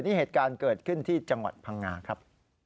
นี่เหตุการณ์เกิดขึ้นที่จังหวัดพังงาครับ